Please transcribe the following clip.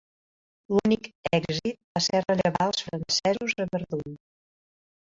L'únic èxit va ser rellevar els francesos a Verdun.